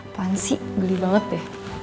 apaan sih geli banget deh